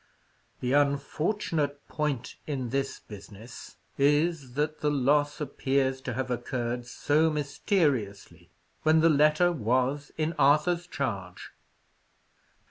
The unfortunate point in this business is, that the loss appears to have occurred so mysteriously, when the letter was in Arthur's charge."